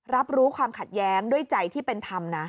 รับรู้ความขัดแย้งด้วยใจที่เป็นธรรมนะ